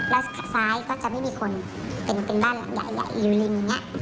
แล้วซ้ายก็จะไม่มีคนเป็นเป็นบ้านใหญ่ใหญ่อยู่ริงอย่างเงี้ย